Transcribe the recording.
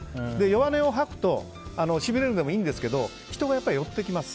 弱音を吐くとしびれるねぇもいいんですけどやっぱり人が寄ってきます。